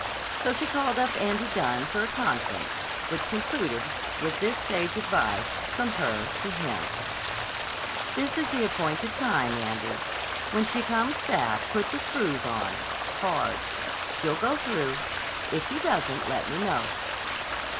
So she called up Andy Dunne for a conference, which concluded with this sage advice from her to him: "This is the appointed time, Andy. When she comes back, put the screws on hard. She'll go through. If she doesn't, let me know."